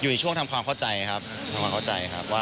อยู่ในช่วงทำความเข้าใจครับ